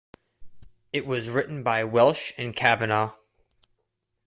It was written by Welsh and Cavanagh.